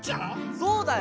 そうだよ。